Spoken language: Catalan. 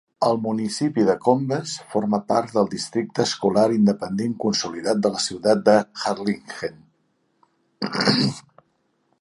El municipi de Combes forma part del districte escolar independent consolidat de la ciutat de Harlingen.